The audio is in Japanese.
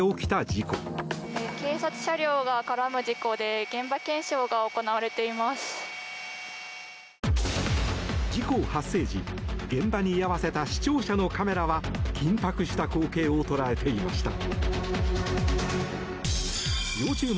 事故発生時、現場に居合わせた視聴者のカメラは緊迫した光景を捉えていました。